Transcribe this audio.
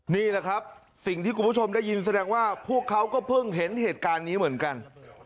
นี่แหละครับสิ่งที่คุณผู้ชมได้ยินแสดงว่าพวกเขาก็เพิ่งเห็นเหตุการณ์นี้เหมือนกัน